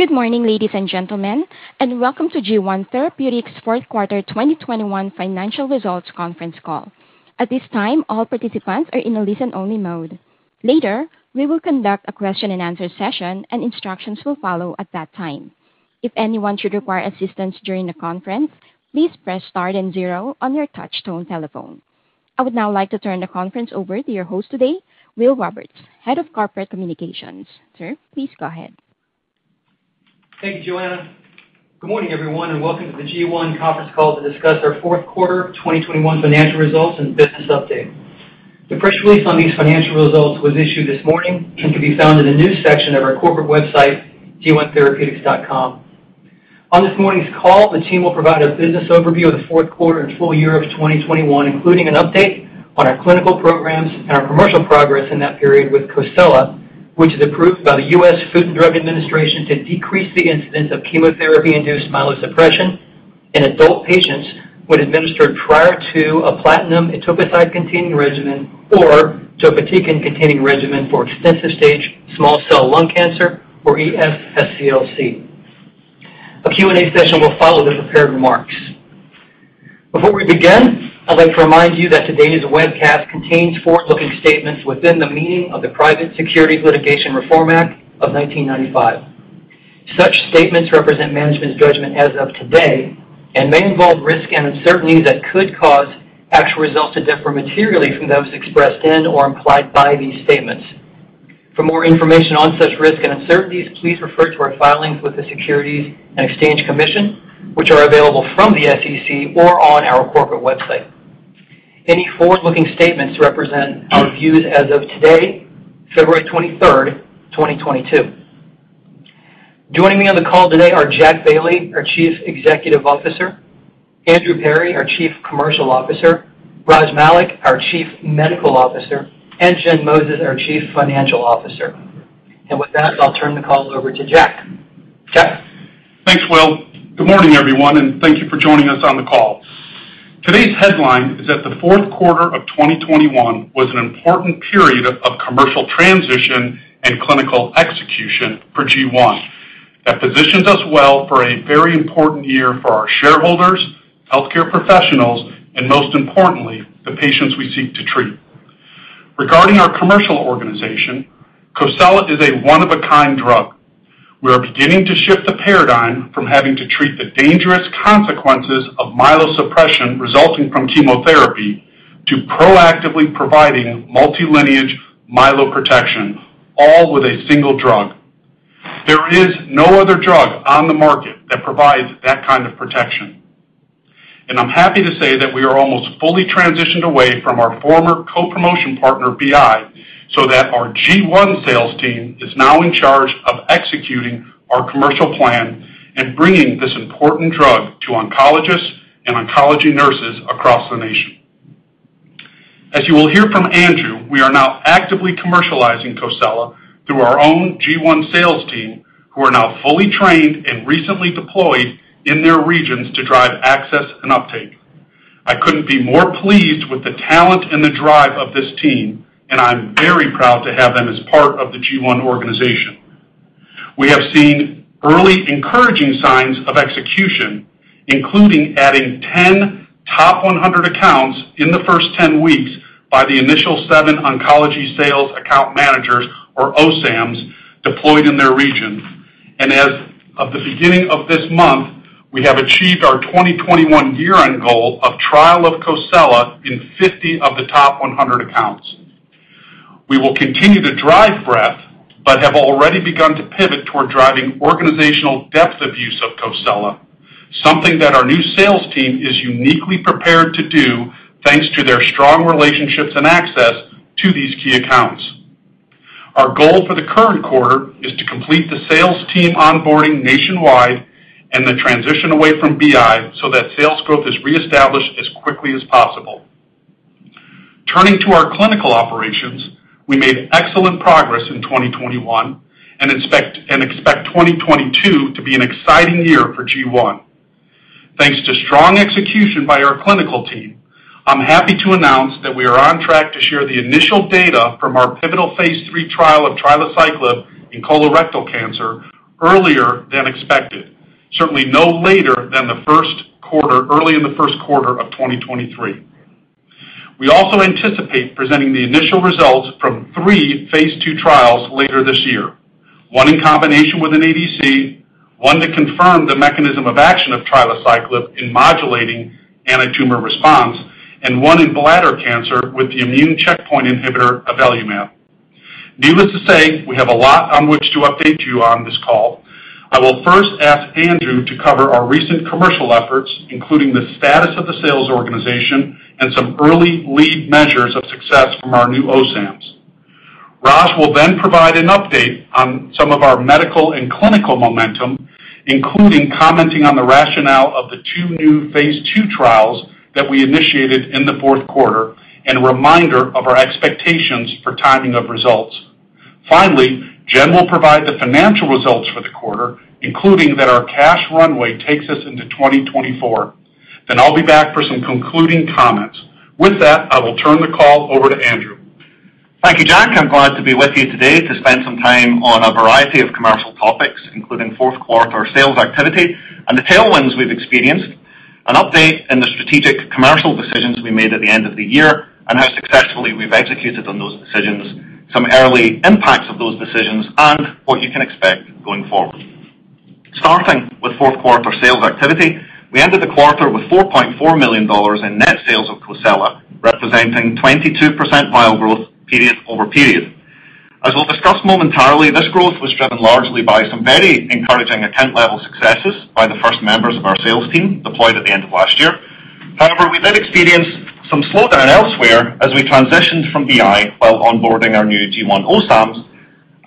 Good morning, ladies and gentlemen, and welcome to G1 Therapeutics' fourth quarter 2021 financial results conference call. At this time, all participants are in a listen-only mode. Later, we will conduct a question-and-answer session, and instructions will follow at that time. If anyone should require assistance during the conference, please press star then zero on your touchtone telephone. I would now like to turn the conference over to your host today, Will Roberts, Head of Corporate Communications. Sir, please go ahead. Thank you, Joanna. Good morning, everyone, and welcome to the G1 conference call to discuss our fourth quarter 2021 financial results and business update. The press release on these financial results was issued this morning and can be found in the news section of our corporate website, g1therapeutics.com. On this morning's call, the team will provide a business overview of the fourth quarter and full year of 2021, including an update on our clinical programs and our commercial progress in that period with COSELA, which is approved by the U.S. Food and Drug Administration to decrease the incidence of chemotherapy-induced myelosuppression in adult patients when administered prior to a platinum etoposide-containing regimen or topotecan-containing regimen for extensive-stage small cell lung cancer or ES-SCLC. A Q&A session will follow the prepared remarks. Before we begin, I'd like to remind you that today's webcast contains forward-looking statements within the meaning of the Private Securities Litigation Reform Act of 1995. Such statements represent management's judgment as of today and may involve risk and uncertainty that could cause actual results to differ materially from those expressed in or implied by these statements. For more information on such risk and uncertainties, please refer to our filings with the Securities and Exchange Commission, which are available from the SEC or on our corporate website. Any forward-looking statements represent our views as of today, February 23rd, 2022. Joining me on the call today are Jack Bailey, our Chief Executive Officer; Andrew Perry, our Chief Commercial Officer; Raj Malik, our Chief Medical Officer; and Jennifer Moses, our Chief Financial Officer. With that, I'll turn the call over to Jack. Jack? Thanks, Will. Good morning, everyone, and thank you for joining us on the call. Today's headline is that the fourth quarter of 2021 was an important period of commercial transition and clinical execution for G1 that positions us well for a very important year for our shareholders, healthcare professionals, and most importantly, the patients we seek to treat. Regarding our commercial organization, COSELA is a one-of-a-kind drug. We are beginning to shift the paradigm from having to treat the dangerous consequences of myelosuppression resulting from chemotherapy to proactively providing multilineage myeloprotection, all with a single drug. There is no other drug on the market that provides that kind of protection. I'm happy to say that we are almost fully transitioned away from our former co-promotion partner, BI, so that our G1 sales team is now in charge of executing our commercial plan and bringing this important drug to oncologists and oncology nurses across the nation. As you will hear from Andrew, we are now actively commercializing COSELA through our own G1 sales team, who are now fully trained and recently deployed in their regions to drive access and uptake. I couldn't be more pleased with the talent and the drive of this team, and I'm very proud to have them as part of the G1 organization. We have seen early encouraging signs of execution, including adding 10 top 100 accounts in the first 10 weeks by the initial seven oncology sales account managers or OSAMs deployed in their regions. As of the beginning of this month, we have achieved our 2021 year-end goal of trial of COSELA in 50 of the top 100 accounts. We will continue to drive breadth, but have already begun to pivot toward driving organizational depth of use of COSELA, something that our new sales team is uniquely prepared to do, thanks to their strong relationships and access to these key accounts. Our goal for the current quarter is to complete the sales team onboarding nationwide and the transition away from BI so that sales growth is reestablished as quickly as possible. Turning to our clinical operations, we made excellent progress in 2021 and expect 2022 to be an exciting year for G1. Thanks to strong execution by our clinical team, I'm happy to announce that we are on track to share the initial data from our pivotal phase III trial of trilaciclib in colorectal cancer earlier than expected, certainly no later than the first quarter, early in the first quarter of 2023. We also anticipate presenting the initial results from three phase II trials later this year. One in combination with an ADC, one to confirm the mechanism of action of trilaciclib in modulating antitumor response, and one in bladder cancer with the immune checkpoint inhibitor avelumab. Needless to say, we have a lot on which to update you on this call. I will first ask Andrew to cover our recent commercial efforts, including the status of the sales organization and some early lead measures of success from our new OSAMs. Raj will then provide an update on some of our medical and clinical momentum, including commenting on the rationale of the two new phase II trials that we initiated in the fourth quarter and a reminder of our expectations for timing of results. Finally, Jen will provide the financial results for the quarter, including that our cash runway takes us into 2024. I'll be back for some concluding comments. With that, I will turn the call over to Andrew. Thank you, Jack. I'm glad to be with you today to spend some time on a variety of commercial topics, including fourth quarter sales activity and the tailwinds we've experienced, an update in the strategic commercial decisions we made at the end of the year and how successfully we've executed on those decisions, some early impacts of those decisions, and what you can expect going forward. Starting with fourth quarter sales activity. We ended the quarter with $4.4 million in net sales of COSELA, representing 22% growth period-over-period. As we'll discuss momentarily, this growth was driven largely by some very encouraging account-level successes by the first members of our sales team deployed at the end of last year. However, we did experience some slowdown elsewhere as we transitioned from BI while onboarding our new G1 OSAMs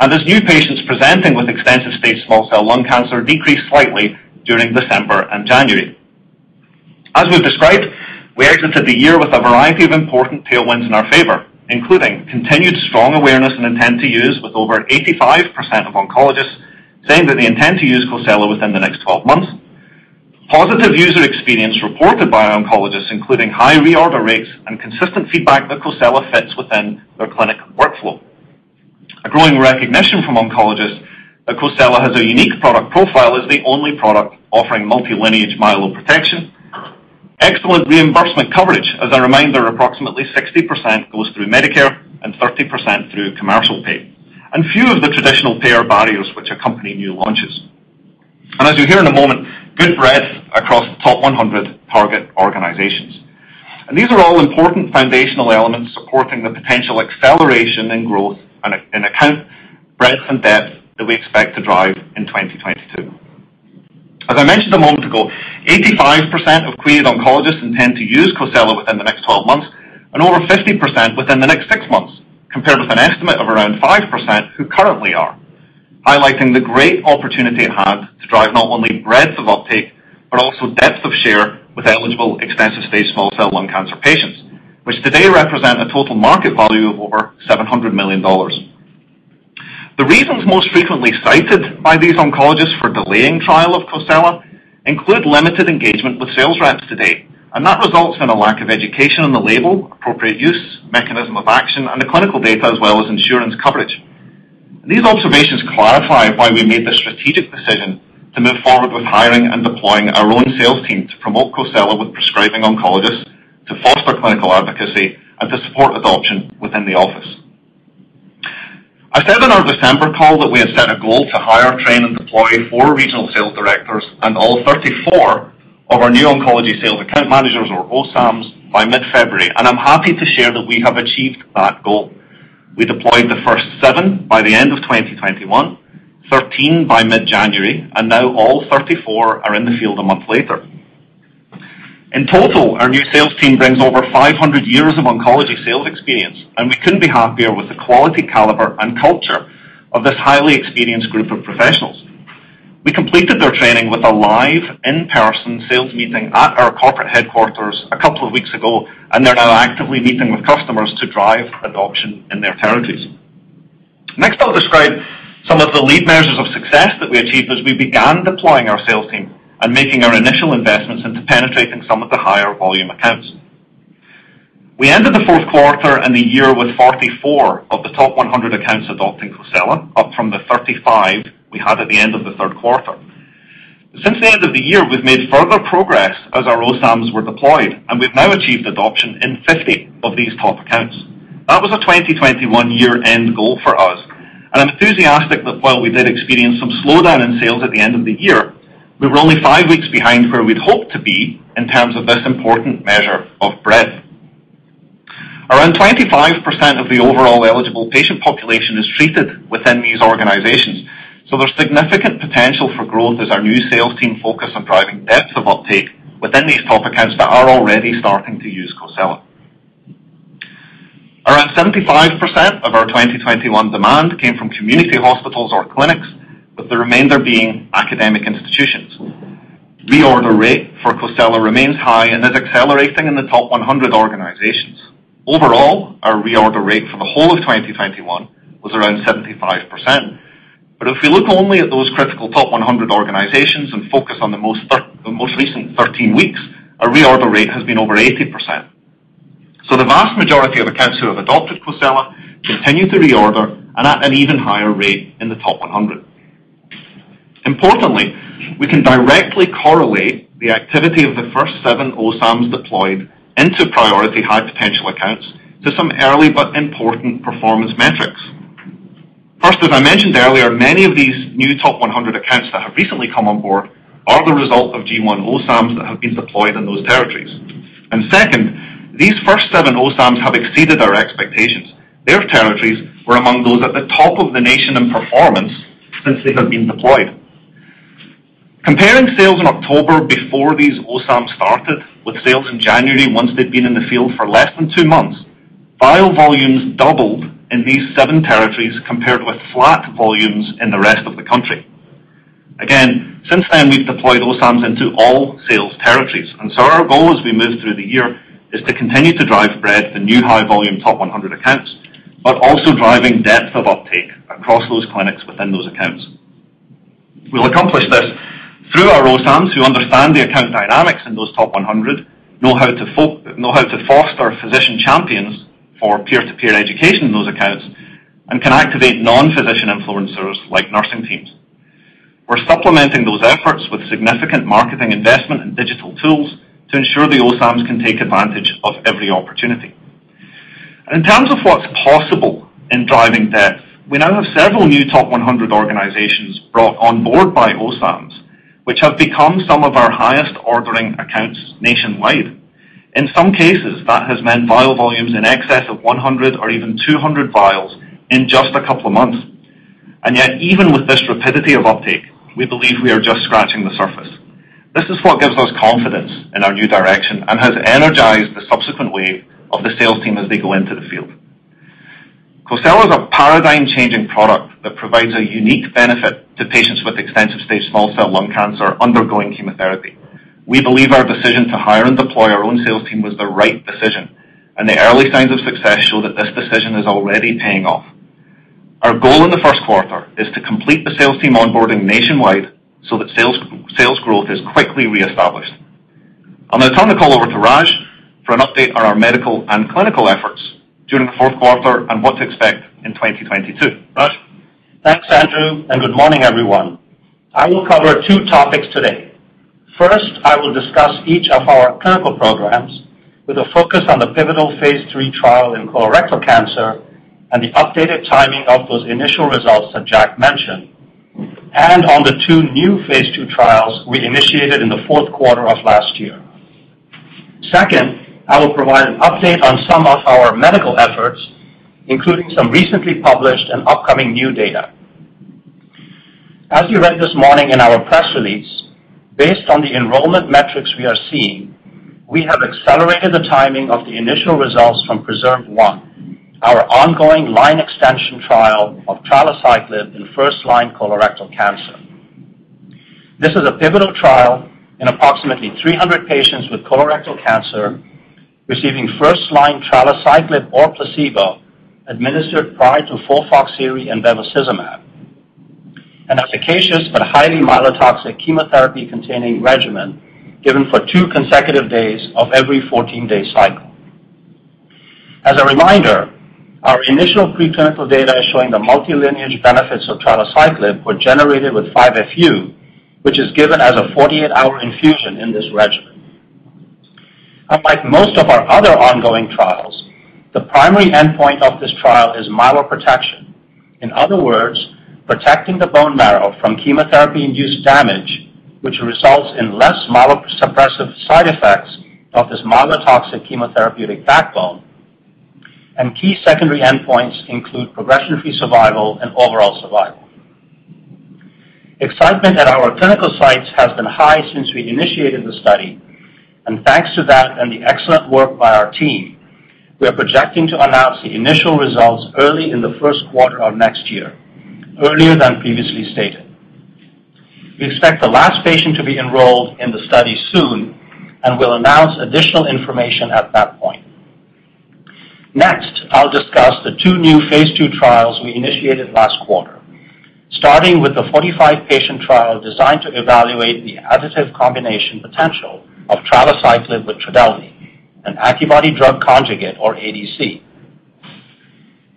and as new patients presenting with extensive stage small cell lung cancer decreased slightly during December and January. As we've described, we exited the year with a variety of important tailwinds in our favor, including continued strong awareness and intent to use with over 85% of oncologists saying that they intend to use COSELA within the next 12 months. Positive user experience reported by oncologists, including high reorder rates and consistent feedback that COSELA fits within their clinic workflow. A growing recognition from oncologists that COSELA has a unique product profile as the only product offering multi-lineage myeloprotection. Excellent reimbursement coverage. As a reminder, approximately 60% goes through Medicare and 30% through commercial pay. Few of the traditional payer barriers which accompany new launches. As you'll hear in a moment, good breadth across the top 100 target organizations. These are all important foundational elements supporting the potential acceleration in growth and in account breadth and depth that we expect to drive in 2022. As I mentioned a moment ago, 85% of target oncologists intend to use COSELA within the next 12 months and over 50% within the next six months, compared with an estimate of around 5% who currently are. Highlighting the great opportunity at hand to drive not only breadth of uptake but also depth of share with eligible extensive-stage small cell lung cancer patients, which today represent a total market value of over $700 million. The reasons most frequently cited by these oncologists for delaying trial of COSELA include limited engagement with sales reps today, and that results in a lack of education on the label, appropriate use, mechanism of action, and the clinical data, as well as insurance coverage. These observations clarify why we made the strategic decision to move forward with hiring and deploying our own sales team to promote COSELA with prescribing oncologists, to foster clinical advocacy, and to support adoption within the office. I said in our December call that we had set a goal to hire, train, and deploy four regional sales directors and all 34 of our new oncology sales account managers or OSAMs by mid-February. I'm happy to share that we have achieved that goal. We deployed the first seven by the end of 2021, 13 by mid-January, and now all 34 are in the field a month later. In total, our new sales team brings over 500 years of oncology sales experience, and we couldn't be happier with the quality, caliber, and culture of this highly experienced group of professionals. We completed their training with a live in-person sales meeting at our corporate headquarters a couple of weeks ago, and they're now actively meeting with customers to drive adoption in their territories. Next, I'll describe some of the lead measures of success that we achieved as we began deploying our sales team and making our initial investments into penetrating some of the higher volume accounts. We ended the fourth quarter and the year with 44 of the top 100 accounts adopting COSELA, up from the 35 we had at the end of the third quarter. Since the end of the year, we've made further progress as our OSAMs were deployed, and we've now achieved adoption in 50 of these top accounts. That was a 2021 year-end goal for us. I'm enthusiastic that while we did experience some slowdown in sales at the end of the year, we were only five weeks behind where we'd hoped to be in terms of this important measure of breadth. Around 25% of the overall eligible patient population is treated within these organizations. There's significant potential for growth as our new sales team focus on driving depth of uptake within these top accounts that are already starting to use COSELA. Around 75% of our 2021 demand came from community hospitals or clinics, with the remainder being academic institutions. Reorder rate for COSELA remains high and is accelerating in the top 100 organizations. Overall, our reorder rate for the whole of 2021 was around 75%. If we look only at those critical top 100 organizations and focus on the most recent 13 weeks, our reorder rate has been over 80%. The vast majority of accounts who have adopted COSELA continue to reorder and at an even higher rate in the top 100. Importantly, we can directly correlate the activity of the first seven OSAMs deployed into priority high potential accounts to some early but important performance metrics. First, as I mentioned earlier, many of these new top 100 accounts that have recently come on board are the result of G1 OSAMs that have been deployed in those territories. Second, these first seven OSAMs have exceeded our expectations. Their territories were among those at the top of the nation in performance since they have been deployed. Comparing sales in October before these OSAMs started with sales in January once they'd been in the field for less than two months, file volumes doubled in these seven territories compared with flat volumes in the rest of the country. Again, since then, we've deployed OSAMs into all sales territories, and so our goal as we move through the year is to continue to drive breadth to new high volume top 100 accounts, but also driving depth of uptake across those clinics within those accounts. We'll accomplish this through our OSAMs who understand the account dynamics in those top 100, know how to foster physician champions for peer-to-peer education in those accounts, and can activate non-physician influencers like nursing teams. We're supplementing those efforts with significant marketing investment and digital tools to ensure the OSAMs can take advantage of every opportunity. In terms of what's possible in driving depth, we now have several new top 100 organizations brought on board by OSAMs, which have become some of our highest ordering accounts nationwide. In some cases, that has meant vial volumes in excess of 100 or even 200 vials in just a couple of months. Yet, even with this rapidity of uptake, we believe we are just scratching the surface. This is what gives us confidence in our new direction and has energized the subsequent wave of the sales team as they go into the field. COSELA is a paradigm changing product that provides a unique benefit to patients with extensive stage small cell lung cancer undergoing chemotherapy. We believe our decision to hire and deploy our own sales team was the right decision, and the early signs of success show that this decision is already paying off. Our goal in the first quarter is to complete the sales team onboarding nationwide so that sales growth is quickly reestablished. I'm gonna turn the call over to Raj for an update on our medical and clinical efforts during the fourth quarter and what to expect in 2022. Raj? Thanks, Andrew, and good morning, everyone. I will cover two topics today. First, I will discuss each of our clinical programs with a focus on the pivotal phase III trial in colorectal cancer and the updated timing of those initial results that Jack mentioned, and on the two new phase II trials we initiated in the fourth quarter of last year. Second, I will provide an update on some of our medical efforts, including some recently published and upcoming new data. As you read this morning in our press release, based on the enrollment metrics we are seeing, we have accelerated the timing of the initial results from PRESERVE I, our ongoing line extension trial of trilaciclib in first-line colorectal cancer. This is a pivotal trial in approximately 300 patients with colorectal cancer receiving first-line trilaciclib or placebo administered prior to FOLFIRINOX and bevacizumab, an efficacious but highly myelotoxic chemotherapy-containing regimen given for two consecutive days of every 14-day cycle. As a reminder, our initial preclinical data showing the multi-lineage benefits of trilaciclib were generated with 5-FU, which is given as a 48-hour infusion in this regimen. Unlike most of our other ongoing trials, the primary endpoint of this trial is myeloprotection. In other words, protecting the bone marrow from chemotherapy-induced damage, which results in less myelosuppressive side effects of this myelotoxic chemotherapeutic backbone. Key secondary endpoints include progression-free survival and overall survival. Excitement at our clinical sites has been high since we initiated the study, and thanks to that and the excellent work by our team, we are projecting to announce the initial results early in the first quarter of next year, earlier than previously stated. We expect the last patient to be enrolled in the study soon, and we'll announce additional information at that point. Next, I'll discuss the two new phase II trials we initiated last quarter, starting with the 45-patient trial designed to evaluate the additive combination potential of trilaciclib with Trodelvy, an antibody-drug conjugate or ADC.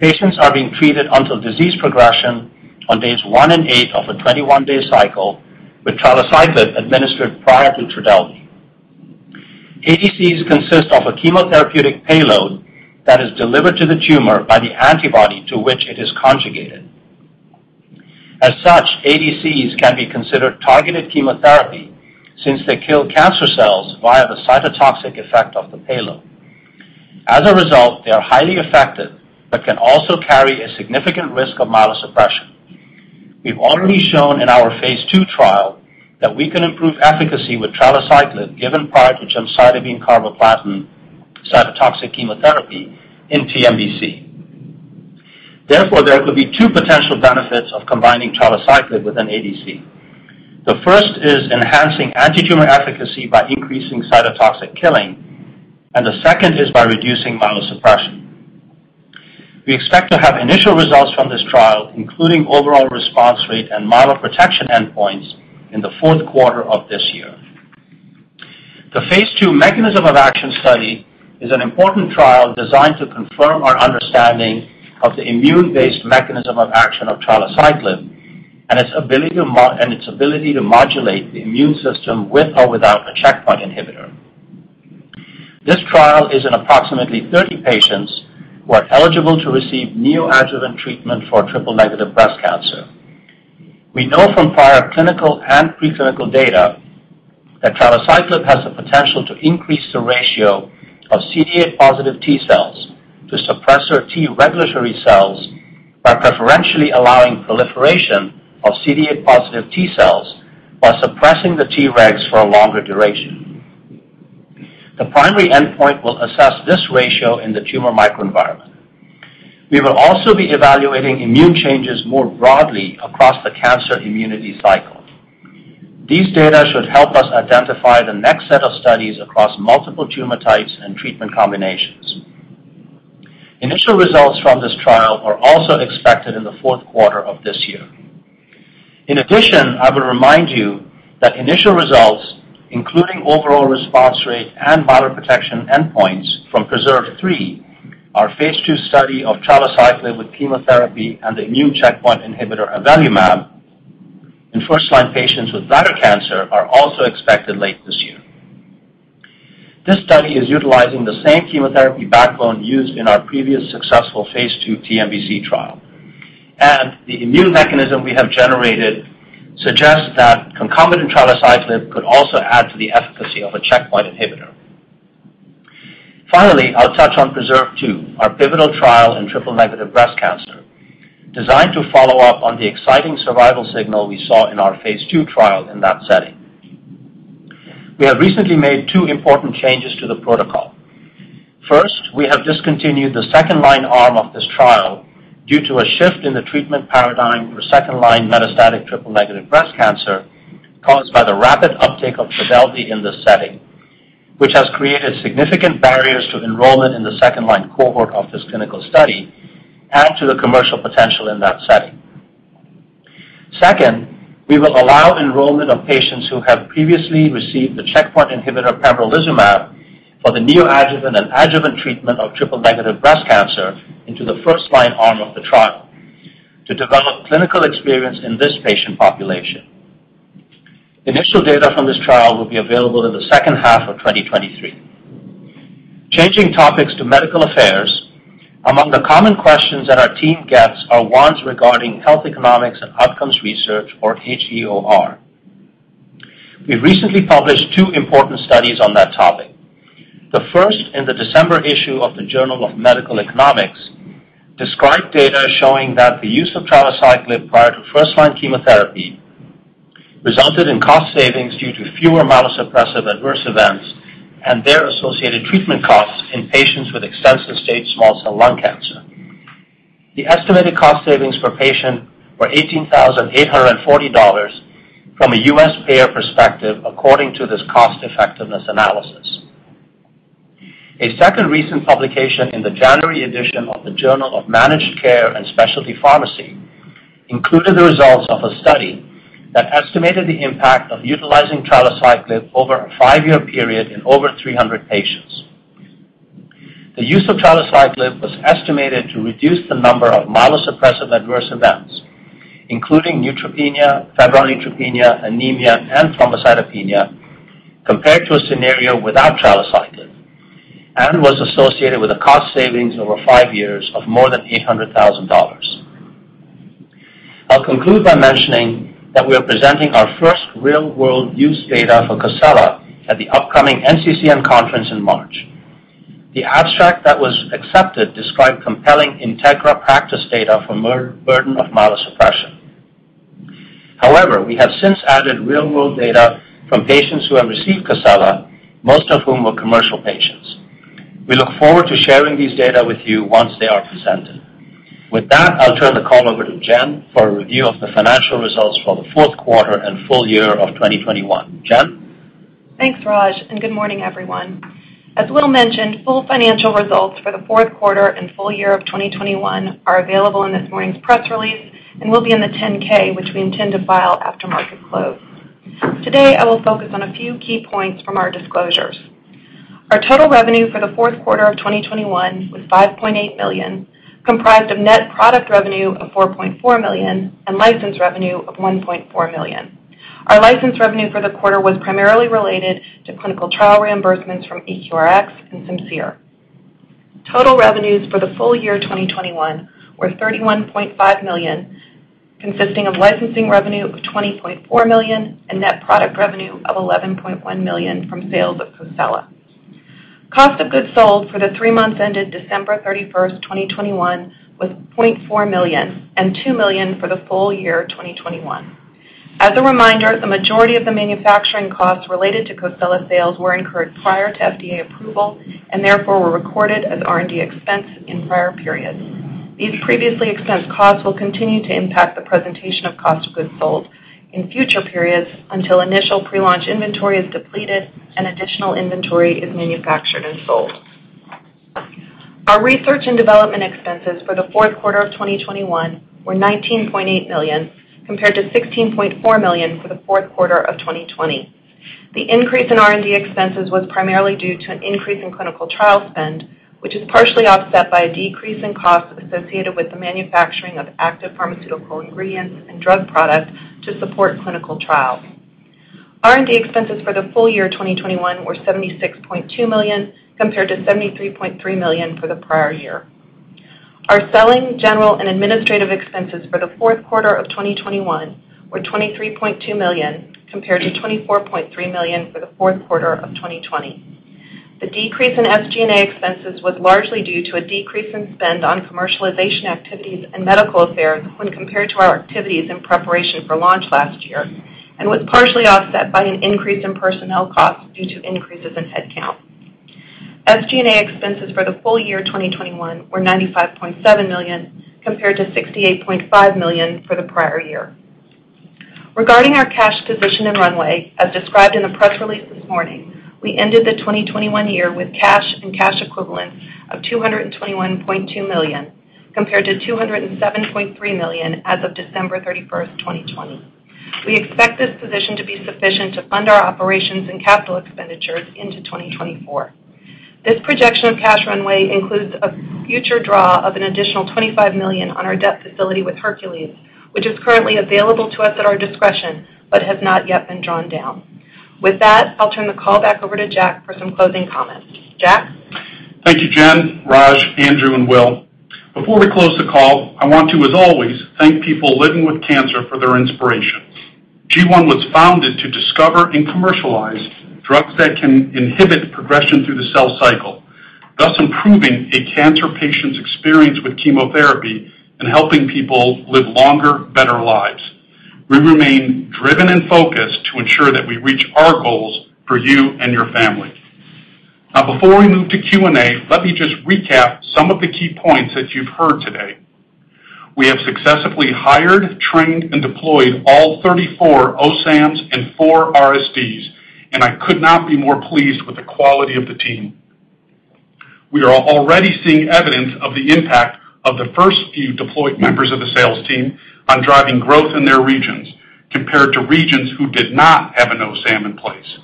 Patients are being treated until disease progression on days one and eight of a 21-day cycle with trilaciclib administered prior to Trodelvy. ADCs consist of a chemotherapeutic payload that is delivered to the tumor by the antibody to which it is conjugated. As such, ADCs can be considered targeted chemotherapy since they kill cancer cells via the cytotoxic effect of the payload. As a result, they are highly effective but can also carry a significant risk of myelosuppression. We've already shown in our phase II trial that we can improve efficacy with trilaciclib given prior to gemcitabine carboplatin cytotoxic chemotherapy in TNBC. Therefore, there could be two potential benefits of combining trilaciclib with an ADC. The first is enhancing antitumor efficacy by increasing cytotoxic killing, and the second is by reducing myelosuppression. We expect to have initial results from this trial, including overall response rate and myeloprotection endpoints, in the fourth quarter of this year. The phase II mechanism of action study is an important trial designed to confirm our understanding of the immune-based mechanism of action of trilaciclib and its ability to modulate the immune system with or without a checkpoint inhibitor. This trial is in approximately 30 patients who are eligible to receive neoadjuvant treatment for triple-negative breast cancer. We know from prior clinical and preclinical data that trilaciclib has the potential to increase the ratio of CD8 positive T-cells to suppressor T regulatory cells by preferentially allowing proliferation of CD8 positive T-cells while suppressing the Tregs for a longer duration. The primary endpoint will assess this ratio in the tumor microenvironment. We will also be evaluating immune changes more broadly across the cancer immunity cycle. These data should help us identify the next set of studies across multiple tumor types and treatment combinations. Initial results from this trial are also expected in the fourth quarter of this year. In addition, I will remind you that initial results, including overall response rate and myeloprotection endpoints from PRESERVE III, our phase II study of trilaciclib with chemotherapy and the immune checkpoint inhibitor avelumab in first line patients with bladder cancer, are also expected late this year. This study is utilizing the same chemotherapy backbone used in our previous successful phase II TNBC trial, and the immune mechanism we have generated suggests that concomitant trilaciclib could also add to the efficacy of a checkpoint inhibitor. Finally, I'll touch on PRESERVE II, our pivotal trial in triple-negative breast cancer, designed to follow up on the exciting survival signal we saw in our phase II trial in that setting. We have recently made two important changes to the protocol. First, we have discontinued the second-line arm of this trial due to a shift in the treatment paradigm for second-line metastatic triple-negative breast cancer caused by the rapid uptake of Kadcyla in this setting, which has created significant barriers to enrollment in the second-line cohort of this clinical study and to the commercial potential in that setting. Second, we will allow enrollment of patients who have previously received the checkpoint inhibitor pembrolizumab for the neoadjuvant and adjuvant treatment of triple-negative breast cancer into the first-line arm of the trial to develop clinical experience in this patient population. Initial data from this trial will be available in the second half of 2023. Changing topics to medical affairs. Among the common questions that our team gets are ones regarding health economics and outcomes research, or HEOR. We recently published two important studies on that topic. The first, in the December issue of the Journal of Medical Economics, described data showing that the use of trilaciclib prior to first-line chemotherapy resulted in cost savings due to fewer myelosuppressive adverse events and their associated treatment costs in patients with extensive stage small cell lung cancer. The estimated cost savings per patient were $18,840 from a U.S. payer perspective according to this cost-effectiveness analysis. A second recent publication in the January edition of the Journal of Managed Care & Specialty Pharmacy included the results of a study that estimated the impact of utilizing trilaciclib over a five-year period in over 300 patients. The use of trilaciclib was estimated to reduce the number of myelosuppressive adverse events, including neutropenia, febrile neutropenia, anemia, and thrombocytopenia, compared to a scenario without trilaciclib, and was associated with a cost savings over five years of more than $800,000. I'll conclude by mentioning that we are presenting our first real-world use data for COSELA at the upcoming NCCN conference in March. The abstract that was accepted described compelling Integra practice data for burden of myelosuppression. However, we have since added real-world data from patients who have received COSELA, most of whom were commercial patients. We look forward to sharing these data with you once they are presented. With that, I'll turn the call over to Jen for a review of the financial results for the fourth quarter and full year of 2021. Jen? Thanks, Raj, and good morning, everyone. As Will mentioned, full financial results for the fourth quarter and full year of 2021 are available in this morning's press release and will be in the 10-K, which we intend to file after market close. Today, I will focus on a few key points from our disclosures. Our total revenue for the fourth quarter of 2021 was $5.8 million, comprised of net product revenue of $4.4 million and license revenue of $1.4 million. Our license revenue for the quarter was primarily related to clinical trial reimbursements from EQRx and Simcere. Total revenues for the full year 2021 were $31.5 million, consisting of licensing revenue of $20.4 million and net product revenue of $11.1 million from sales of COSELA. Cost of goods sold for the three months ended December 31st, 2021 was $0.4 million and $2 million for the full year 2021. As a reminder, the majority of the manufacturing costs related to COSELA sales were incurred prior to FDA approval and therefore were recorded as R&D expense in prior periods. These previously expensed costs will continue to impact the presentation of cost of goods sold in future periods until initial pre-launch inventory is depleted and additional inventory is manufactured and sold. Our research and development expenses for the fourth quarter of 2021 were $19.8 million, compared to $16.4 million for the fourth quarter of 2020. The increase in R&D expenses was primarily due to an increase in clinical trial spend, which is partially offset by a decrease in costs associated with the manufacturing of active pharmaceutical ingredients and drug products to support clinical trials. R&D expenses for the full year 2021 were $76.2 million, compared to $73.3 million for the prior year. Our selling, general, and administrative expenses for the fourth quarter of 2021 were $23.2 million, compared to $24.3 million for the fourth quarter of 2020. The decrease in SG&A expenses was largely due to a decrease in spend on commercialization activities and medical affairs when compared to our activities in preparation for launch last year and was partially offset by an increase in personnel costs due to increases in headcount. SG&A expenses for the full year 2021 were $95.7 million, compared to $68.5 million for the prior year. Regarding our cash position and runway, as described in the press release this morning, we ended the 2021 year with cash and cash equivalents of $221.2 million, compared to $207.3 million as of December 31st, 2020. We expect this position to be sufficient to fund our operations and capital expenditures into 2024. This projection of cash runway includes a future draw of an additional $25 million on our debt facility with Hercules, which is currently available to us at our discretion, but has not yet been drawn down. With that, I'll turn the call back over to Jack for some closing comments. Jack? Thank you, Jen, Raj, Andrew, and Will. Before we close the call, I want to, as always, thank people living with cancer for their inspiration. G1 was founded to discover and commercialize drugs that can inhibit progression through the cell cycle, thus improving a cancer patient's experience with chemotherapy and helping people live longer, better lives. We remain driven and focused to ensure that we reach our goals for you and your family. Now, before we move to Q&A, let me just recap some of the key points that you've heard today. We have successfully hired, trained, and deployed all 34 OSAMs and four RSDs, and I could not be more pleased with the quality of the team. We are already seeing evidence of the impact of the first few deployed members of the sales team on driving growth in their regions compared to regions who did not have an OSAM in place.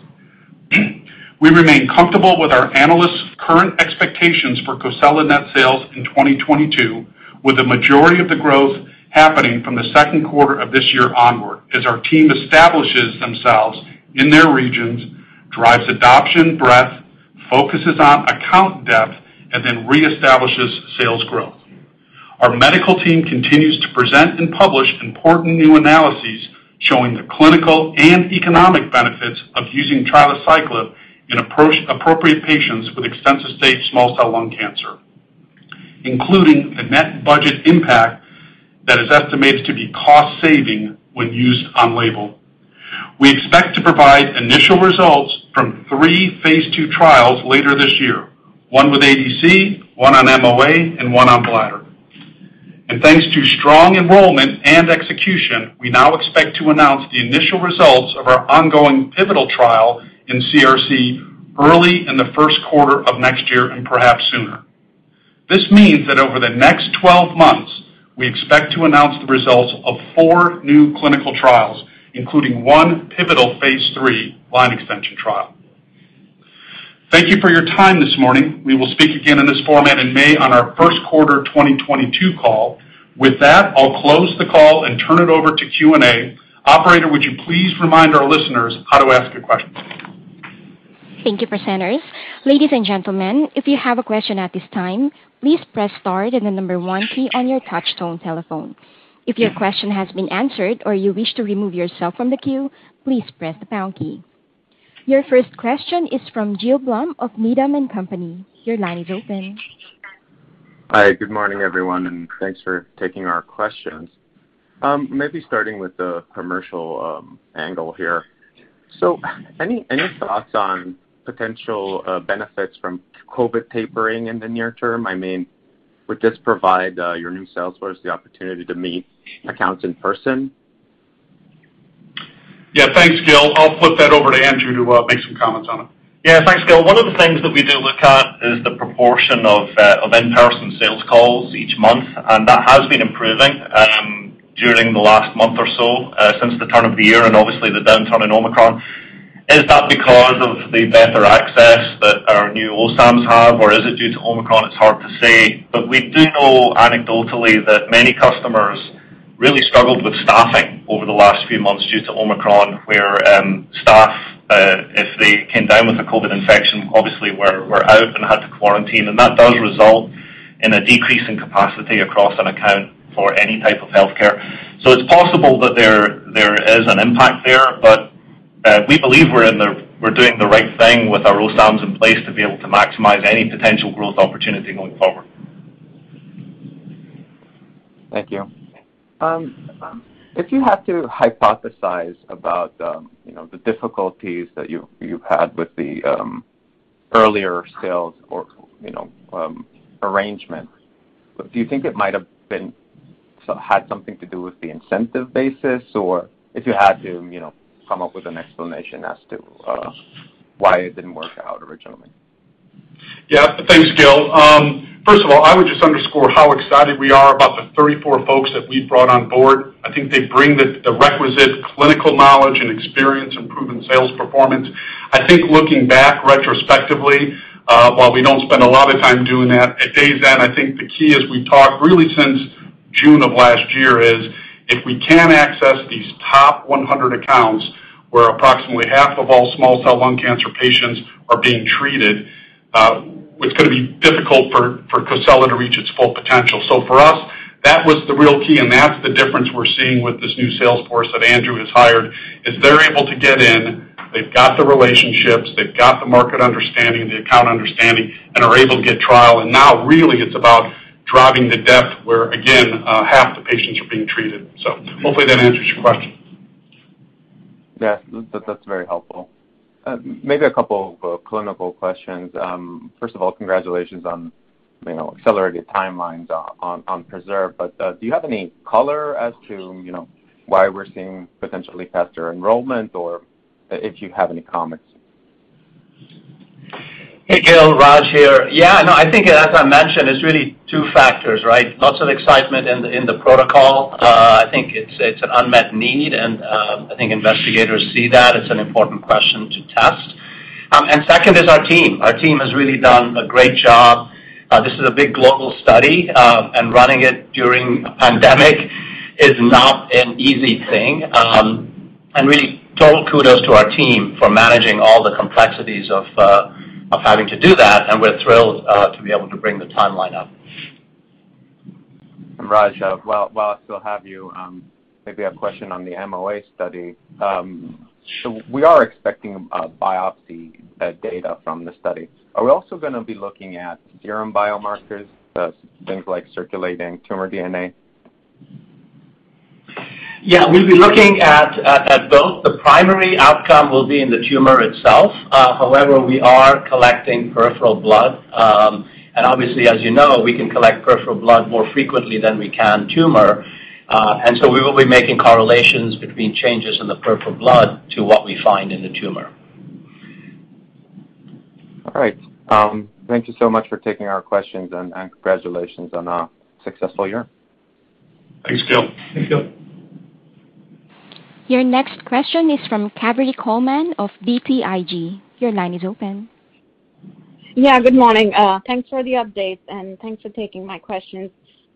We remain comfortable with our analysts' current expectations for COSELA net sales in 2022, with the majority of the growth happening from the second quarter of this year onward as our team establishes themselves in their regions, drives adoption breadth, focuses on account depth, and then reestablishes sales growth. Our medical team continues to present and publish important new analyses showing the clinical and economic benefits of using trilaciclib in appropriate patients with extensive-stage small cell lung cancer, including the net budget impact that is estimated to be cost-saving when used on-label. We expect to provide initial results from three phase II trials later this year, one with ADC, one on MOA, and one on bladder. Thanks to strong enrollment and execution, we now expect to announce the initial results of our ongoing pivotal trial in CRC early in the first quarter of next year and perhaps sooner. This means that over the next 12 months, we expect to announce the results of four new clinical trials, including one pivotal phase III line extension trial. Thank you for your time this morning. We will speak again in this format in May on our first quarter 2022 call. With that, I'll close the call and turn it over to Q&A. Operator, would you please remind our listeners how to ask a question? Thank you, presenters. Ladies and gentlemen, if you have a question at this time, please press star then the number one key on your touch tone telephone. If your question has been answered or you wish to remove yourself from the queue, please press the pound key. Your first question is from Gil Blum of Needham & Company. Your line is open. Hi. Good morning, everyone, and thanks for taking our questions. Maybe starting with the commercial angle here. Any thoughts on potential benefits from COVID tapering in the near term? I mean, would this provide your new sales force the opportunity to meet accounts in person? Yeah. Thanks, Gil. I'll flip that over to Andrew to make some comments on it. Yeah. Thanks, Gil. One of the things that we do look at is the proportion of in-person sales calls each month, and that has been improving during the last month or so since the turn of the year and obviously the downturn in Omicron. Is that because of the better access that our new OSAMs have, or is it due to Omicron? It's hard to say. We do know anecdotally that many customers really struggled with staffing over the last few months due to Omicron, where staff, if they came down with a COVID infection, obviously were out and had to quarantine. That does result in a decrease in capacity across an account for any type of healthcare. It's possible that there is an impact there. We believe we're doing the right thing with our OSAMs in place to be able to maximize any potential growth opportunity going forward. Thank you. If you have to hypothesize about, you know, the difficulties that you've had with the earlier sales or, you know, arrangement, do you think it might have had something to do with the incentive basis? Or if you had to, you know, come up with an explanation as to why it didn't work out originally. Yeah. Thanks, Gil. First of all, I would just underscore how excited we are about the 34 folks that we've brought on board. I think they bring the requisite clinical knowledge and experience and proven sales performance. I think looking back retrospectively, while we don't spend a lot of time doing that, at day's end, I think the key as we've talked really since June of last year is, if we can't access these top 100 accounts, where approximately half of all small cell lung cancer patients are being treated, it's gonna be difficult for COSELA to reach its full potential. For us, that was the real key, and that's the difference we're seeing with this new sales force that Andrew has hired, is they're able to get in, they've got the relationships, they've got the market understanding, the account understanding, and are able to get trial. Now really it's about driving the depth where, again, half the patients are being treated. Hopefully that answers your question. Yeah, that's very helpful. Maybe a couple of clinical questions. First of all, congratulations on, you know, accelerated timelines on PRESERVE. Do you have any color as to, you know, why we're seeing potentially faster enrollment or if you have any comments? Hey, Gil, Raj here. Yeah, no, I think as I mentioned, it's really two factors, right? Lots of excitement in the protocol. I think it's an unmet need, and I think investigators see that it's an important question to test. Second is our team. Our team has really done a great job. This is a big global study, and running it during a pandemic is not an easy thing. Really total kudos to our team for managing all the complexities of having to do that, and we're thrilled to be able to bring the timeline up. Raj, while I still have you, maybe a question on the MOA study. We are expecting biopsy data from the study. Are we also gonna be looking at serum biomarkers, things like circulating tumor DNA? Yeah. We'll be looking at both. The primary outcome will be in the tumor itself. However, we are collecting peripheral blood. Obviously, as you know, we can collect peripheral blood more frequently than we can tumor. We will be making correlations between changes in the peripheral blood to what we find in the tumor. All right. Thank you so much for taking our questions, and congratulations on a successful year. Thanks, Gil. Thank you. Your next question is from Kaveri Pohlman of BTIG. Your line is open. Good morning. Thanks for the update, and thanks for taking my questions.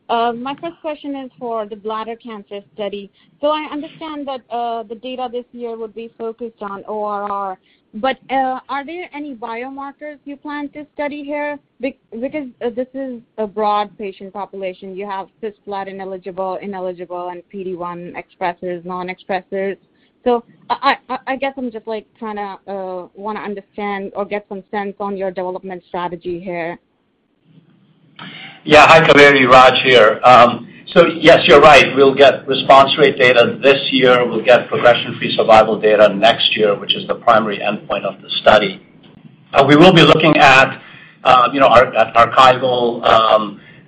My first question is for the bladder cancer study. I understand that the data this year would be focused on ORR, but are there any biomarkers you plan to study here? Because this is a broad patient population. You have cisplatin-ineligible and PD-1 expressers, non-expressers. I guess I'm just like trying to wanna understand or get some sense on your development strategy here. Yeah. Hi, Kaveri, Raj here. Yes, you're right. We'll get response rate data this year. We'll get progression-free survival data next year, which is the primary endpoint of the study. We will be looking at, you know, archival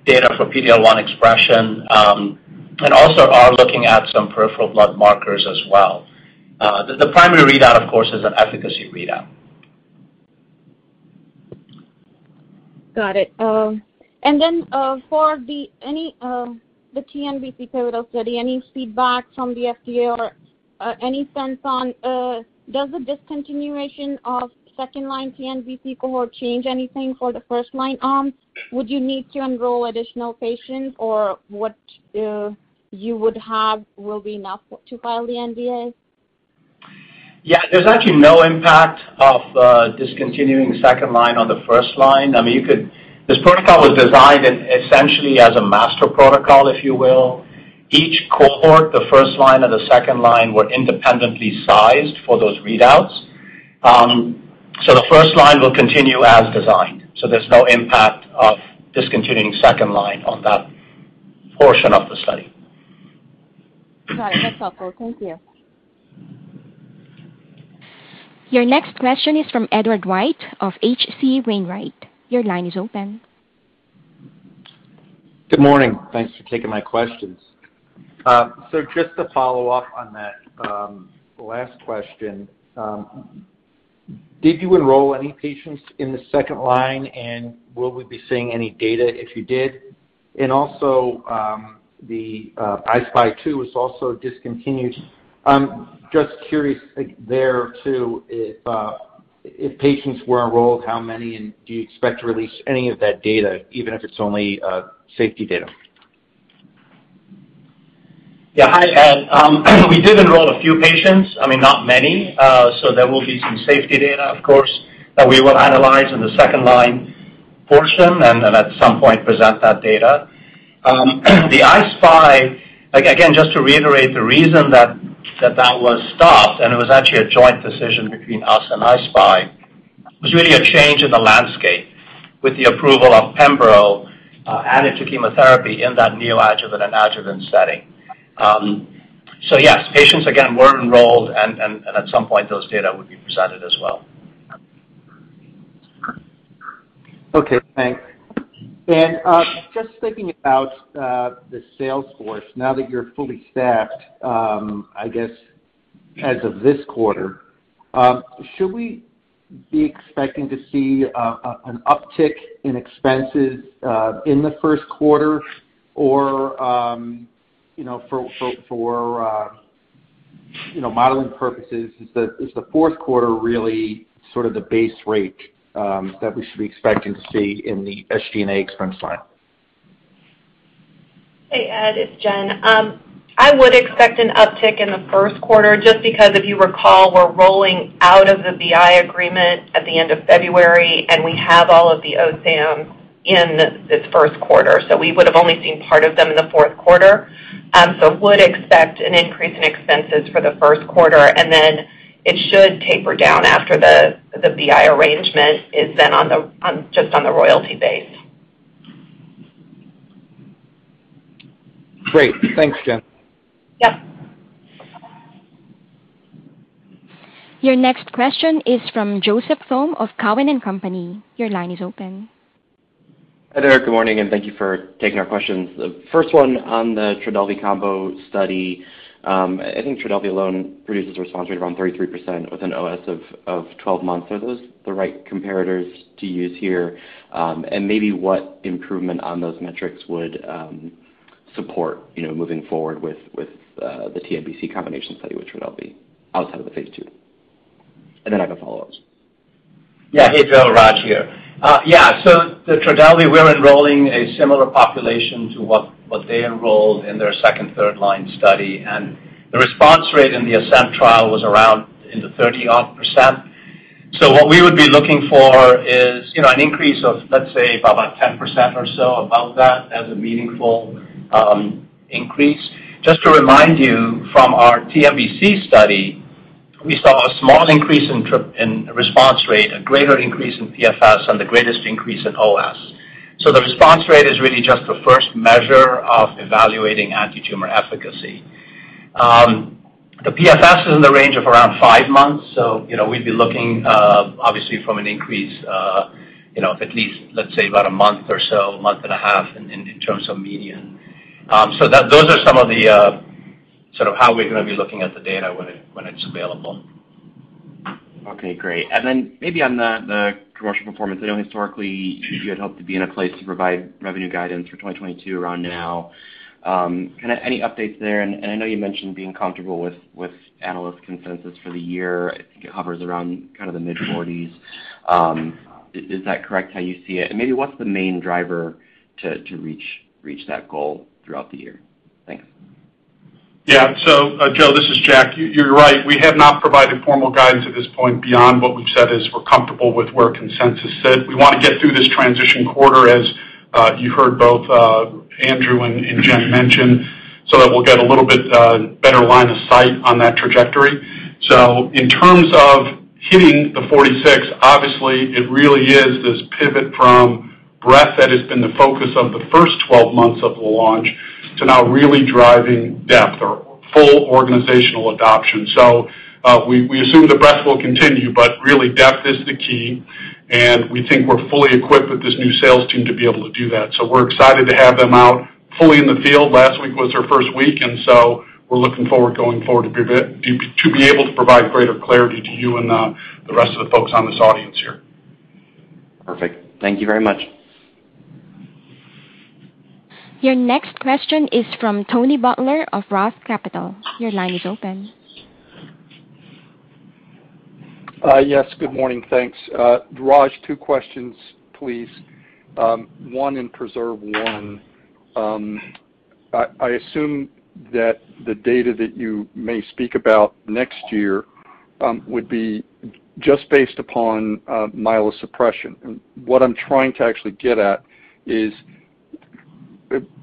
data for PD-L1 expression, and also are looking at some peripheral blood markers as well. The primary readout, of course, is an efficacy readout. Got it. For the TNBC pivotal study, any feedback from the FDA or any sense on does the discontinuation of second-line TNBC cohort change anything for the first-line arm? Would you need to enroll additional patients or what you would have will be enough to file the NDA? Yeah. There's actually no impact of discontinuing second line on the first line. I mean, this protocol was designed essentially as a master protocol, if you will. Each cohort, the first line and the second line, were independently sized for those readouts. The first line will continue as designed, so there's no impact of discontinuing second line on that portion of the study. Got it. That's helpful. Thank you. Your next question is from Edward White of H.C. Wainwright. Your line is open. Good morning. Thanks for taking my questions. Just to follow up on that last question, did you enroll any patients in the second line, and will we be seeing any data if you did? Also, I-SPY 2 was also discontinued. I'm just curious there too, if patients were enrolled, how many, and do you expect to release any of that data, even if it's only safety data? Yeah. Hi, Ed. We did enroll a few patients, I mean, not many. There will be some safety data, of course, that we will analyze in the second-line portion and at some point present that data. The I-SPY, again, just to reiterate the reason that that was stopped, and it was actually a joint decision between us and I-SPY, was really a change in the landscape with the approval of Pembro adding to chemotherapy in that neoadjuvant and adjuvant setting. Yes, patients again were enrolled and at some point those data would be presented as well. Okay, thanks. Just thinking about the sales force now that you're fully staffed, I guess as of this quarter, should we be expecting to see an uptick in expenses in the first quarter? Or, you know, for modeling purposes, is the fourth quarter really sort of the base rate that we should be expecting to see in the SG&A expense line? Hey, Ed, it's Jen. I would expect an uptick in the first quarter just because if you recall, we're rolling out of the BI agreement at the end of February, and we have all of the OSAM in this first quarter. We would've only seen part of them in the fourth quarter. I would expect an increase in expenses for the first quarter, and then it should taper down after the BI arrangement is then on just the royalty base. Great. Thanks, Jen. Yep. Your next question is from Joseph Thome of Cowen and Company. Your line is open. Hi there. Good morning, and thank you for taking our questions. The first one on the Trodelvy combo study. I think Trodelvy alone produces a response rate around 33% with an OS of 12 months. Are those the right comparators to use here? Maybe what improvement on those metrics would support moving forward with the TNBC combination study with Trodelvy outside of phase II. I have follow-ups. Yeah. Hey, Joe. Raj here. The Trodelvy, we're enrolling a similar population to what they enrolled in their second- and third-line study, and the response rate in the ASCENT trial was around 30-odd%. What we would be looking for is, you know, an increase of, let's say, about 10% or so above that as a meaningful increase. Just to remind you from our TNBC study, we saw a small increase in response rate, a greater increase in PFS, and the greatest increase in OS. The response rate is really just the first measure of evaluating antitumor efficacy. The PFS is in the range of around five months, so you know, we'd be looking obviously from an increase you know of at least, let's say about a month or so, a month and a half in terms of median. Those are some of the sort of how we're gonna be looking at the data when it's available. Okay, great. Maybe on the commercial performance, I know historically you had hoped to be in a place to provide revenue guidance for 2022 around now. Kind of any updates there? I know you mentioned being comfortable with analyst consensus for the year. I think it hovers around kind of the mid-40s. Is that correct how you see it? Maybe what's the main driver to reach that goal throughout the year? Thanks. Yeah. Joe, this is Jack. You're right. We have not provided formal guidance at this point beyond what we've said is we're comfortable with where consensus sits. We wanna get through this transition quarter, as you heard both Andrew and Jen mention, so that we'll get a little bit better line of sight on that trajectory. In terms of hitting the $46, obviously it really is this pivot from breadth that has been the focus of the first 12 months of the launch to now really driving depth or full organizational adoption. We assume the breadth will continue, but really depth is the key, and we think we're fully equipped with this new sales team to be able to do that. We're excited to have them out fully in the field. Last week was their first week, and so we're looking forward going forward to be able to provide greater clarity to you and the rest of the folks in this audience here. Perfect. Thank you very much. Your next question is from Tony Butler of Roth Capital. Your line is open. Yes, good morning. Thanks. Raj, two questions please. One in PRESERVE 1. I assume that the data that you may speak about next year would be just based upon myelosuppression. What I'm trying to actually get at is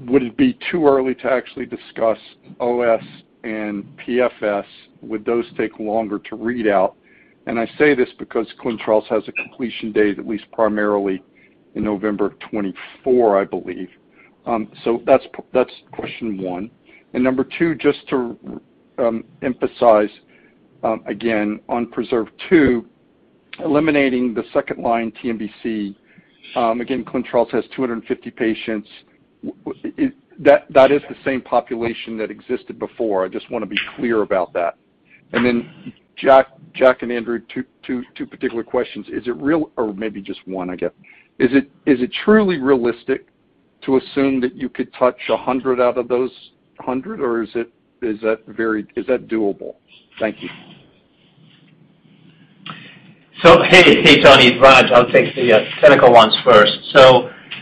would it be too early to actually discuss OS and PFS? Would those take longer to read out? I say this because ClinTrials has a completion date, at least primarily in November 2024, I believe. That's question one. Number two, just to emphasize again on PRESERVE 2, eliminating the second-line TNBC. Again, ClinTrials has 250 patients. That is the same population that existed before. I just wanna be clear about that. Then Jack and Andrew, two particular questions. Maybe just one I guess. Is it truly realistic to assume that you could touch 100 out of those 100, or is that doable? Thank you. Hey, Tony. It's Raj. I'll take the clinical ones first.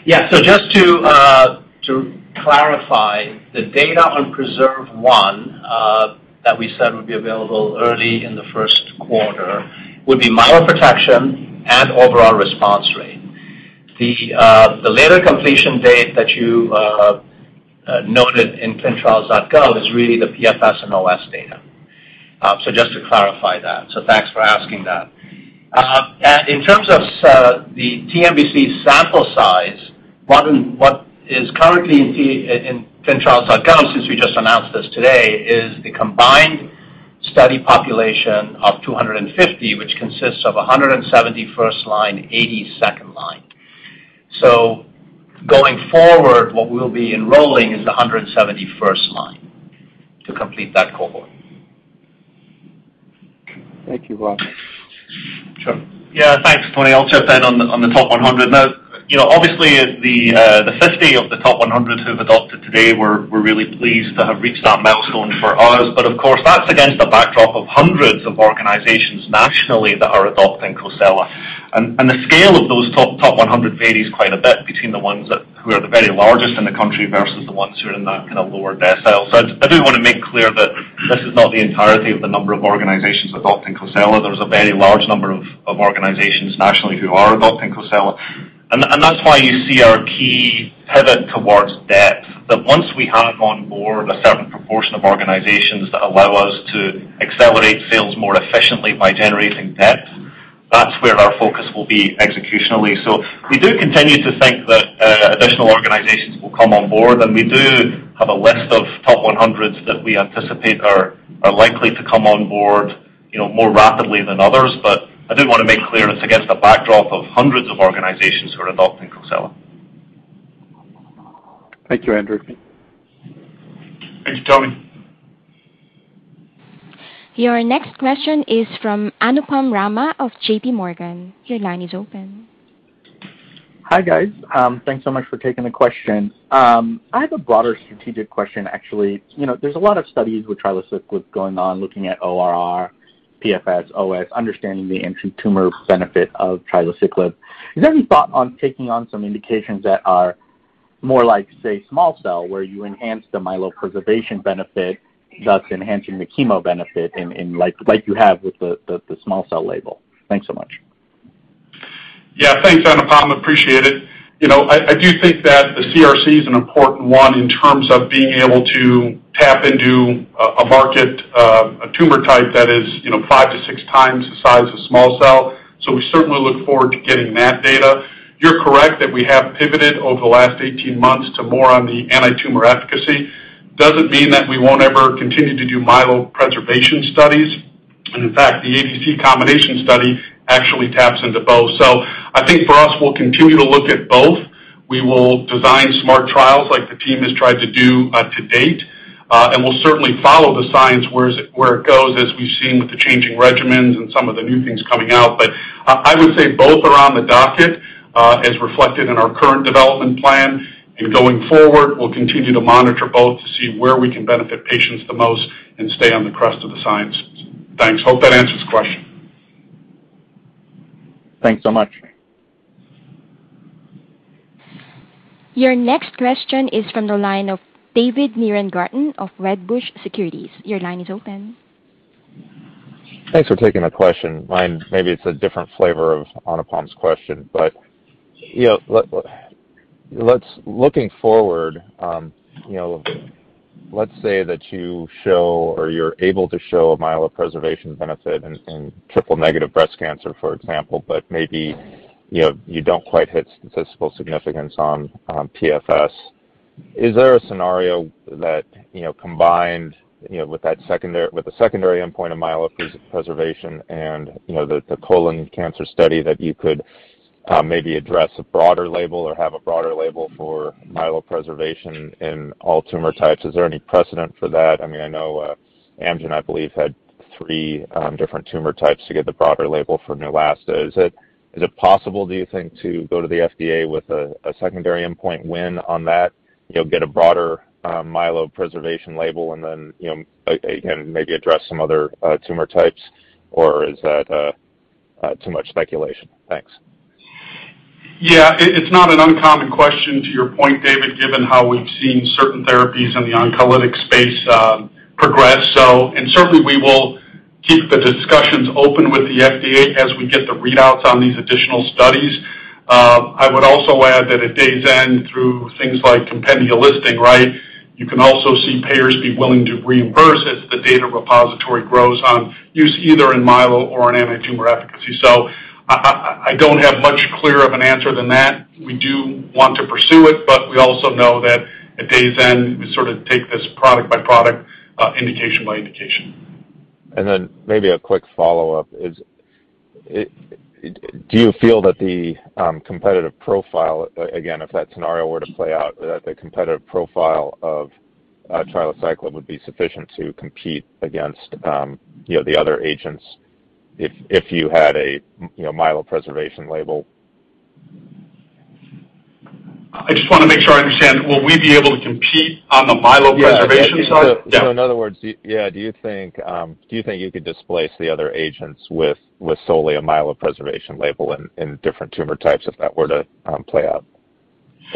Just to clarify, the data on PRESERVE 1 that we said would be available early in the first quarter would be myeloprotection and overall response rate. The later completion date that you noted in ClinicalTrials.gov is really the PFS and OS data. Just to clarify that. Thanks for asking that. In terms of the TNBC sample size, what is currently in ClinicalTrials.gov, since we just announced this today, is the combined study population of 250, which consists of 170 first line, 80 second line. Going forward, what we'll be enrolling is the 170 first line to complete that cohort. Thank you, Raj. Sure. Yeah. Thanks, Tony. I'll jump in on the top 100. Now, you know, obviously the 50 of the top 100 who have adopted today, we're really pleased to have reached that milestone for us. Of course, that's against a backdrop of hundreds of organizations nationally that are adopting COSELA. The scale of those top 100 varies quite a bit between the ones who are the very largest in the country versus the ones who are in that kinda lower decile. I do wanna make clear that this is not the entirety of the number of organizations adopting COSELA. There's a very large number of organizations nationally who are adopting COSELA. That's why you see our key pivot towards depth, that once we have on board a certain proportion of organizations that allow us to accelerate sales more efficiently by generating depth. That's where our focus will be executionally. We do continue to think that additional organizations will come on board, and we do have a list of top 100s that we anticipate are likely to come on board, you know, more rapidly than others. I do wanna make clear it's against a backdrop of hundreds of organizations who are adopting COSELA. Thank you, Andrew. Thank you, Tony. Your next question is from Anupam Rama of JPMorgan. Your line is open. Hi, guys. Thanks so much for taking the question. I have a broader strategic question, actually. You know, there's a lot of studies with trilaciclib going on looking at ORR, PFS, OS, understanding the anti-tumor benefit of trilaciclib. Is there any thought on taking on some indications that are more like, say, small cell, where you enhance the myeloprotection benefit, thus enhancing the chemo benefit in like you have with the small cell label? Thanks so much. Yeah. Thanks, Anupam. Appreciate it. You know, I do think that the CRC is an important one in terms of being able to tap into a market, a tumor type that is, you know, five to six times the size of small cell. We certainly look forward to getting that data. You're correct that we have pivoted over the last 18 months to more on the antitumor efficacy. Doesn't mean that we won't ever continue to do myeloprotection studies. In fact, the ADC combination study actually taps into both. I think for us, we'll continue to look at both. We will design smart trials like the team has tried to do to date. We'll certainly follow the science where it goes as we've seen with the changing regimens and some of the new things coming out. I would say both are on the docket, as reflected in our current development plan. Going forward, we'll continue to monitor both to see where we can benefit patients the most and stay on the crest of the sciences. Thanks. Hope that answers question. Thanks so much. Your next question is from the line of David Nierengarten of Wedbush Securities. Your line is open. Thanks for taking my question. Mine, maybe it's a different flavor of Anupam's question, but you know, looking forward, you know, let's say that you show or you're able to show a myeloprotection benefit in triple-negative breast cancer, for example, but maybe you know, you don't quite hit statistical significance on PFS. Is there a scenario that, you know, combined with that secondary endpoint of myeloprotection and the colon cancer study that you could maybe address a broader label or have a broader label for myeloprotection in all tumor types? Is there any precedent for that? I mean, I know Amgen, I believe, had three different tumor types to get the broader label for Neulasta. Is it possible, do you think, to go to the FDA with a secondary endpoint win on that, you know, get a broader myeloprotection label and then, you know, again, maybe address some other tumor types, or is that too much speculation? Thanks. Yeah. It's not an uncommon question to your point, David, given how we've seen certain therapies in the oncology space, progress. Certainly, we will keep the discussions open with the FDA as we get the readouts on these additional studies. I would also add that at day's end, through things like compendial listing, right, you can also see payers be willing to reimburse as the data repository grows on use either in myelo or in antitumor efficacy. I don't have much clearer of an answer than that. We do want to pursue it, but we also know that at day's end, we sort of take this product by product, indication by indication. Maybe a quick follow-up. Do you feel that the competitive profile, again, if that scenario were to play out, that the competitive profile of trilaciclib would be sufficient to compete against, you know, the other agents if you had a, you know, myeloprotection label? I just wanna make sure I understand. Will we be able to compete on the myeloprotection side? Yeah. In other words, yeah, do you think you could displace the other agents with solely a myeloprotection label in different tumor types if that were to play out?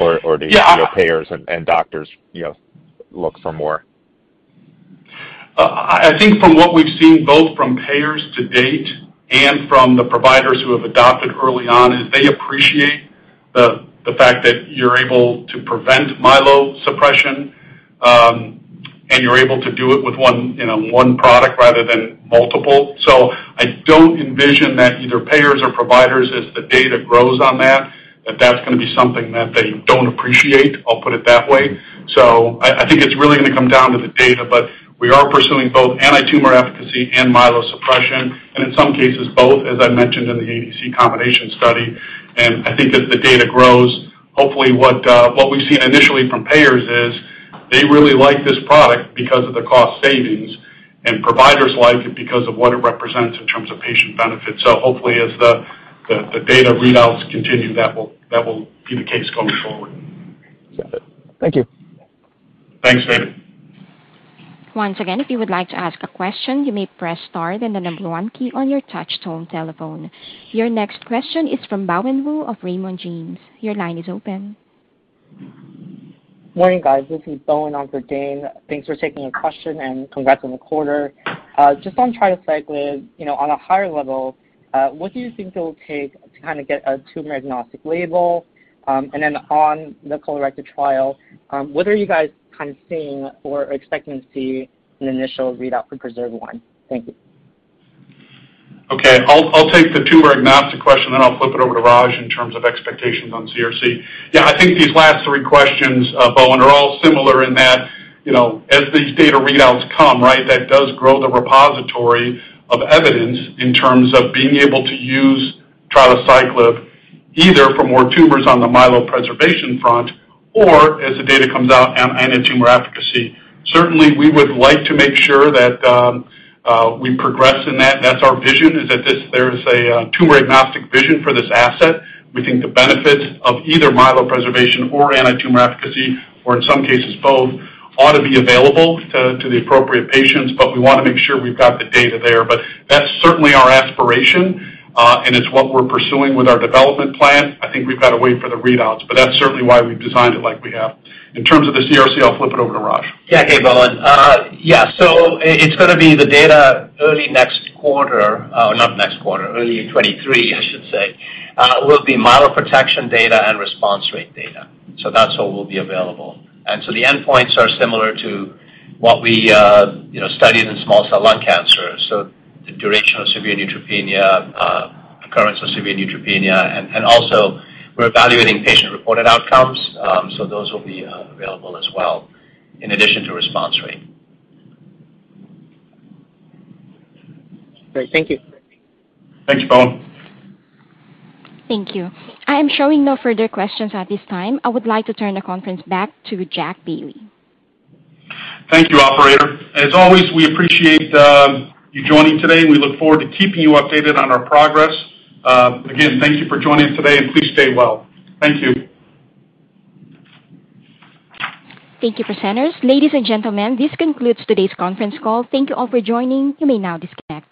Or do you? Yeah. Do payers and doctors, you know, look for more? I think from what we've seen both from payers to date and from the providers who have adopted early on, is they appreciate the fact that you're able to prevent myelosuppression, and you're able to do it with one, you know, one product rather than multiple. I don't envision that either payers or providers, as the data grows on that that's gonna be something that they don't appreciate, I'll put it that way. I think it's really gonna come down to the data, but we are pursuing both antitumor efficacy and myelosuppression, and in some cases, both, as I mentioned in the ADC combination study. I think as the data grows, hopefully what we've seen initially from payers is they really like this product because of the cost savings, and providers like it because of what it represents in terms of patient benefit. Hopefully, as the data readouts continue, that will be the case going forward. Got it. Thank you. Thanks, David. Once again, if you would like to ask a question, you may press star then the number one key on your touch tone telephone. Your next question is from Bowen Wu of Raymond James. Your line is open. Morning, guys. This is Bowen on for Dane. Thanks for taking the question, and congrats on the quarter. Just on trilaciclib, you know, on a higher level, what do you think it will take to kinda get a tumor-agnostic label? On the colorectal trial, what are you guys kinda seeing or expecting to see an initial readout for PRESERVE 1? Thank you. Okay. I'll take the tumor agnostic question, then I'll flip it over to Raj in terms of expectations on CRC. Yeah, I think these last three questions, Bowen, are all similar in that, you know, as these data readouts come, right, that does grow the repository of evidence in terms of being able to use trilaciclib either for more tumors on the myeloprotection front or as the data comes out on anti-tumor efficacy. Certainly, we would like to make sure that we progress in that. That's our vision, is that there is a tumor agnostic vision for this asset. We think the benefits of either myeloprotection or anti-tumor efficacy, or in some cases both, ought to be available to the appropriate patients. We wanna make sure we've got the data there. That's certainly our aspiration, and it's what we're pursuing with our development plan. I think we've gotta wait for the readouts, but that's certainly why we've designed it like we have. In terms of the CRC, I'll flip it over to Raj. Yeah. Okay, Bowen. It's gonna be the data early next quarter. Not next quarter, early 2023, I should say, will be myeloprotection data and response rate data. That's what will be available. The endpoints are similar to what we studied in small cell lung cancer. The duration of severe neutropenia, occurrence of severe neutropenia, and also we're evaluating patient-reported outcomes. Those will be available as well in addition to response rate. Great. Thank you. Thanks, Bowen. Thank you. I am showing no further questions at this time. I would like to turn the conference back to Jack Bailey. Thank you, operator. As always, we appreciate you joining today. We look forward to keeping you updated on our progress. Again, thank you for joining us today, and please stay well. Thank you. Thank you, presenters. Ladies and gentlemen, this concludes today's conference call. Thank you all for joining. You may now disconnect.